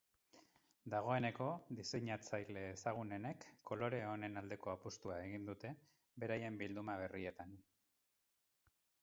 Dagoeneko diseinatzaile ezagunenek kolore honen aldeko apustua egin dute beraien bilduma berrietan.